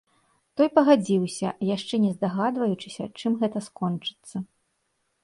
Той пагадзіўся, яшчэ не здагадваючыся, чым гэта скончыцца.